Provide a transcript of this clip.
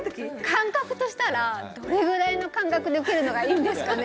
間隔としたらどれぐらいの間隔で受けるのがいいんですかね？